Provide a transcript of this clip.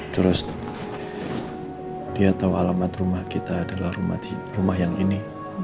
terus dia tahu alamat rumah kita adalah rumah yang ini